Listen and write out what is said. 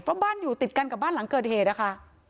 เพราะบ้านอยู่ติดกันกับบ้านหลังเกิดเหตุนะคะ